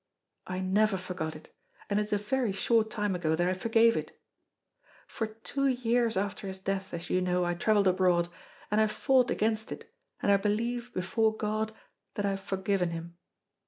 I never forgot it, and it is a very short time ago that I forgave it. For two years after his death, as you know, I travelled abroad, and I fought against it, and I believe, before God, that I have forgiven him.